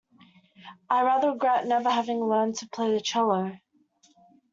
I rather regret never having learned to play the cello.